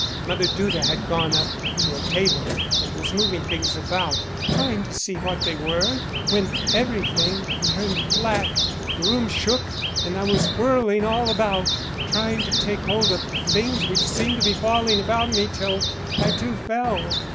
Mother Duda had gone up to a table and was moving things about, trying to see what they were, when everything turned black, the room shook, and I was whirling all about, trying to take hold of things which seemed to be falling about me, till I too fell.